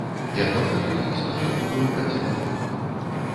І адвакат у іх спачатку быў адзін на двух.